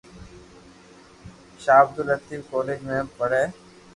ݾاھ ابدول لتيف ڪوليج مون پڙي